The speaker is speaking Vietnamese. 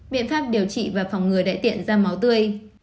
biện pháp điều trị và phòng ngừa đại tiện ra máu tươi